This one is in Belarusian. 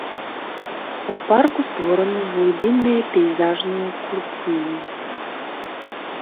У парку створаны глыбінныя пейзажныя курціны.